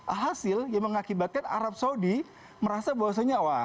alhasil yang mengakibatkan arab saudi merasa bahwa senyawa